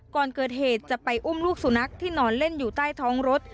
ก่อนเกิดเหตุจะไปอุ้มลูกสุนัขที่นอนเล่นอยู่ใต้ท้องรถ